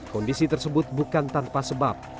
kondisi tersebut bukan tanpa sebab